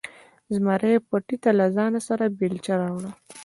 زمري پټي ته له ځانه سره بیلچه راوړه.